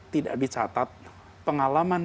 tidak dicatat pengalaman